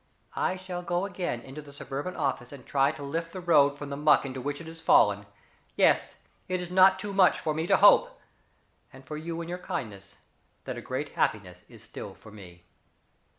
I shall go again into the Suburban office and try to lift the road from the muck into which it has fallen. Yes, it is not too much for me to hope and for you in your kindness that a great happiness is still for me."